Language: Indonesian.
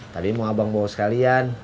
tadi mau abang bawa sekalian